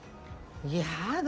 やだ